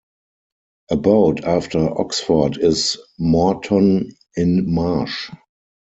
About after Oxford is Moreton-in-Marsh.